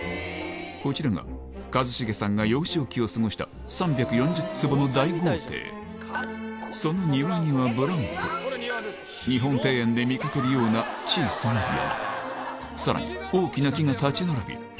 こちらが一茂さんが幼少期を過ごした３４０坪の大豪邸その庭にはブランコ日本庭園で見かけるような小さな山さらに大きな木が立ち並び